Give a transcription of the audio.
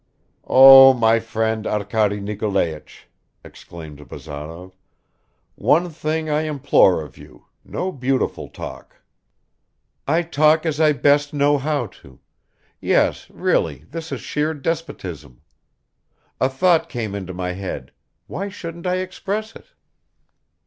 "Oh, my friend Arkady Nikolaich," exclaimed Bazarov, "one thing I implore of you; no beautiful talk." "I talk as I best know how to ... yes, really this is sheer despotism. A thought came into my head; why shouldn't I express it?"